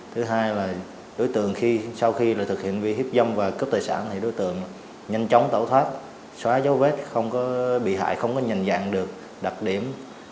thứ hai là đối tượng sau khi thực hiện vi hiếp dâm và cướp tài sản thì đối tượng nhanh chóng tẩu thoát xóa dấu vết không bị hại không nhìn dạng được đặc điểm